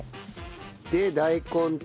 で大根と。